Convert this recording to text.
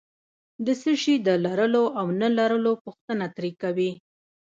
د څه شي د لرلو او نه لرلو پوښتنه ترې کوي.